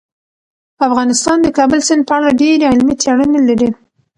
افغانستان د کابل سیند په اړه ډېرې علمي څېړنې لري.